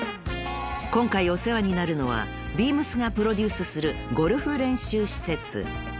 ［今回お世話になるのはＢＥＡＭＳがプロデュースするゴルフ練習施設］